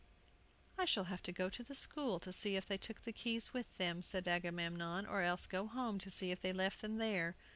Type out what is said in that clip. "I shall have to go to the school to see if they took the keys with them," said Agamemnon; "or else go home to see if they left them there."